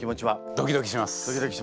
ドキドキします。